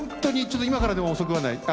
今からでも遅くない。